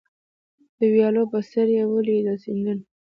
د ویالو په څېر یې ولیدل سیندونه